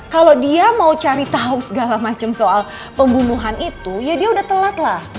kalau dia mau cari tahu segala macam soal pembunuhan itu ya dia udah telat lah